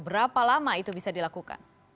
berapa lama itu bisa dilakukan